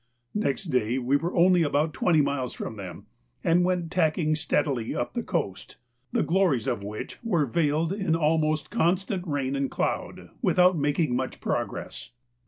Next day we were only about twenty miles from them, and went tacking steadily up the coast, the glories of which were veiled in almost constant rain and cloud, without making much progress.